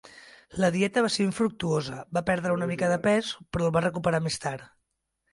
La dieta va ser infructuosa; va perdre una mica de pes però el va recuperar més tard.